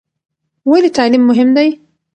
ولې تعلیم مهم دی؟